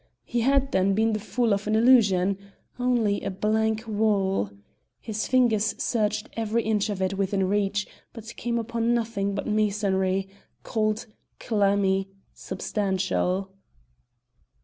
He had, then, been the fool of an illusion! Only a blank wall! His fingers searched every inch of it within reach, but came upon nothing but masonry, cold, clammy, substantial.